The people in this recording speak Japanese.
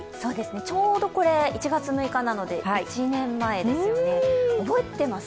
ちょうどこれ、１月６日なので１年前ですよね、覚えてます？